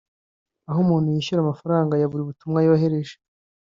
aho umuntu yishyura amafaranga ya buri butumwa yohereje